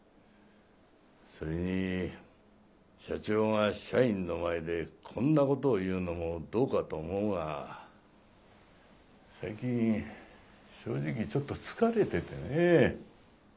それに社長が社員の前でこんなことを言うのもどうかと思うが最近正直ちょっと疲れててね。